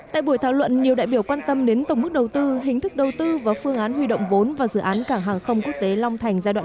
tại buổi thảo luận nhiều đại biểu quan tâm đến tổng mức đầu tư hình thức đầu tư và phương án huy động vốn và dự án cảng hàng không quốc tế long thành giai đoạn một